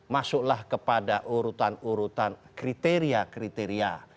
masuklah kepada urutan urutan kriteria kriteria